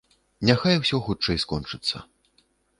Няхай усё хутчэй скончыцца.